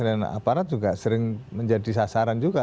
dan aparat juga sering menjadi sasaran juga